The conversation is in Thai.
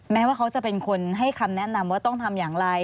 แม้ว่าเขาจะเป็นคนให้คำแนะนำว่าต้องทำอย่างไร